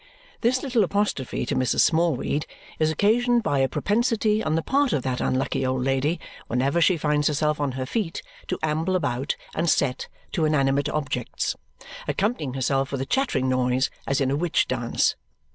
This little apostrophe to Mrs. Smallweed is occasioned by a propensity on the part of that unlucky old lady whenever she finds herself on her feet to amble about and "set" to inanimate objects, accompanying herself with a chattering noise, as in a witch dance.